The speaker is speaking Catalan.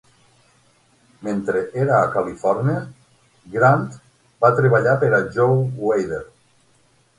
Mentre era a Califòrnia, Grant va treballar per a Joe Weider.